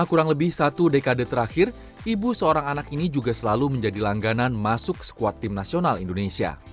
kurang lebih satu dekade terakhir ibu seorang anak ini juga selalu menjadi langganan masuk skuad tim nasional indonesia